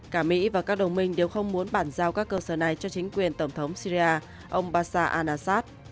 cả mỹ và các đồng minh đều không muốn bản giao các cơ sở này cho chính quyền tổng thống syria ông bashar al assad